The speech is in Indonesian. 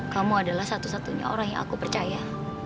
kamu adalah satu satunya orang yang aku percaya